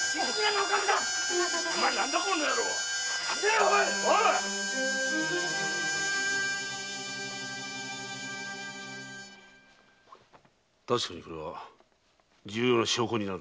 ⁉たしかにこれは重要な証拠になるな。